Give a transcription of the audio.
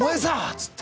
つって。